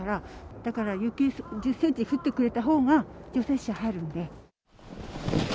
だから雪１０センチ降ってくれたほうが、除雪車入るんで。